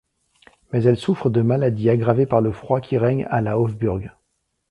Mais elle souffre de maladies aggravées par le froid qui règne à la Hofburg.